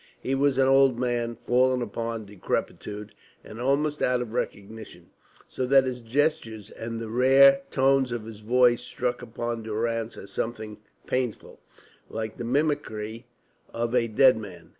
He was an old man fallen upon decrepitude, and almost out of recognition, so that his gestures and the rare tones of his voice struck upon Durrance as something painful, like the mimicry of a dead man.